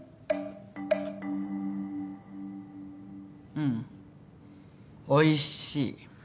うんおいしい。